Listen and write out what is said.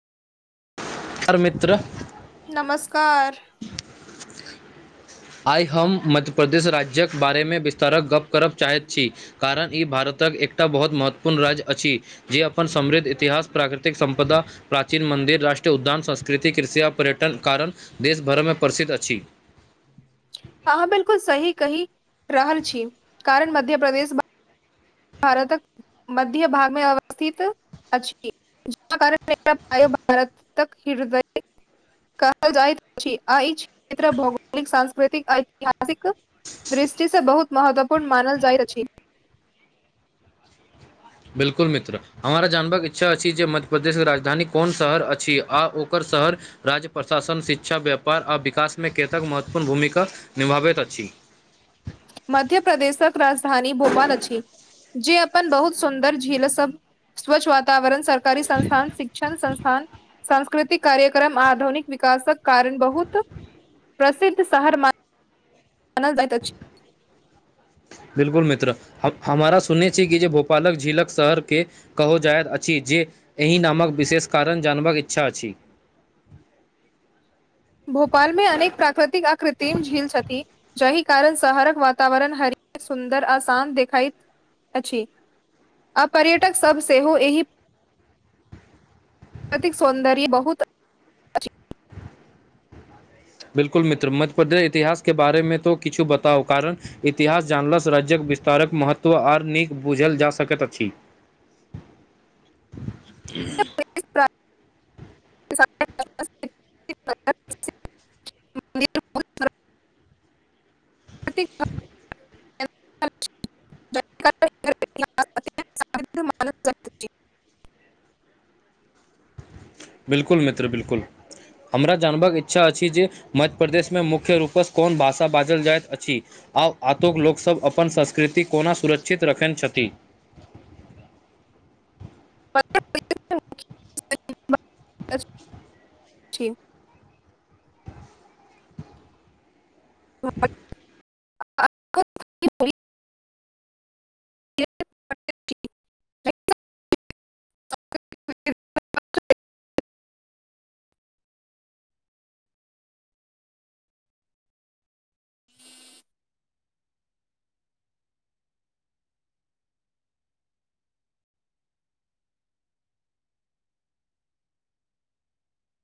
अओर मित्र। नमस्कार। आइ हम मध्य प्र्रदेश राज्य के बारेमे विस्तारक गप्प करब चाहैत छी। कारण ई भारतक एकटा बहुत महत्वपूर्ण राज्य अछि। जे अपन समृद्ध इतिहास प्राकृतिक संपदा प्राचीन मन्दिर, राष्ट्रीय उद्यान, संस्कृति, कृषि आ पर्यटन कारण देश भरमें प्रसिद्ध अछि। अहाँ बिल्कुल सही कहि रहल छी, कारण मध्य प्रदेश भारतक मध्य भाग में अवस्थित [unintelligible] कह जाइत अछि, आ ई क्षेत्र भौगोलिक, सांस्कृतिक आ ऐतिहासिक दृष्टि से बहुत महत्वपूर्ण मानल जाइत अछि। बिल्कुल मित्र। हमरा जानबाक इच्छा अछि जे मध्यप्रदेशके राजधानी कोन शहर अछि, आ ओकर शहर राज्य प्रशासन, शिक्षा, व्यापार आ विकास में कतेक महत्वपूर्ण भूमिका निभाबैत अछि। मध्यप्रदेशक राजधानी भोपाला अछि। जे अपन बहुत सुन्दर झील सब, स्वच्छ वातावरण स कारी संस्थान शिक्षण संस्थान। सांस्कृतिक कार्यक्रम आधुनिक विकासक कारण बहुत प्रसिद्ध शहर मा मानल जैत अति। बिलकुल मित्र ह- हमारा सुनने छी कि, भोपालक झीलक शहरके कहल जाइत अछि, जे एहि नामक विशेष कारण जानबाक इच्छा अछि। भोपाल मे अनेक प्राकृतिक आकृत्रिम झील छथि। जाहि कारण शहरक वातावरण हरि, सुन्दर आ शान्त देखाइत अछि। आ पर्यटक सब सेहो एहि तिक सौन्दर्य बहुत अछि। बिलकुल मित्र। मध्य प्रदेश इतिहास के बारे में तो किछु बताउ कारण इतिहास जानलासँ राज्यक विस्तारक महत्व आर नीक बुझल जा सकैत अछि। [inaudible] [unintelligible] [unintelligible] बिल्कुल मित्र बिल्कुल। हमरा जानबाक इच्छा अछि जे, मध्य प्रदेश में मुख्य रूपसँ कोन भाषा बाजल जाइत अछि। आब आतुक लोकसभ अपन संस्कृति कोना सुरक्षित रखने छथि। ठीक।